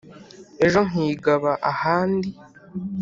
Ejo nkigaba ahandi,